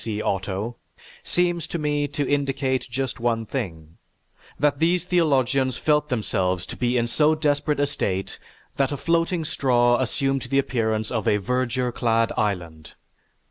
C. Otto, "seems to me to indicate just one thing, that these theologians felt themselves to be in so desperate a state that a floating straw assumed the appearance of a verdure clad island.